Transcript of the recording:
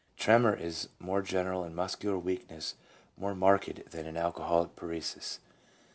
Tremor is more general and muscular weakness more marked than in alcoholic paresis.